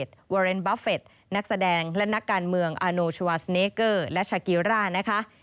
วาเรนด้าเกตวอร์เรนต์บัฟเฟตนักแสดงและนักการเมืองอาโนชาวาสเนเกอร์และชากิร่านะคะ